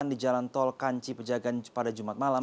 di jalan tol kanci pejagaan pada jumat malam